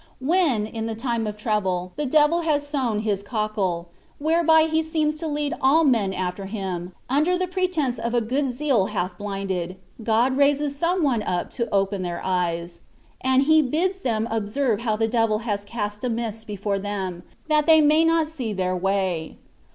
When, in the time of trouble, the devil has sown his cockle, whereby he seems to Isad all men after him, under the pretence of a good zeal half blinded, God raises some one up to open their eyes ; and He bids them observe how the devil has cast a mist before them, that they might not see their way.